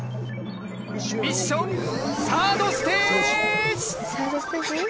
ミッションサードステージ。